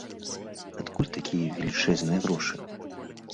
Адкуль такія велічэзныя грошы?